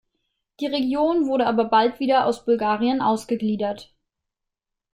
Die Region wurde aber bald wieder aus Bulgarien ausgegliedert.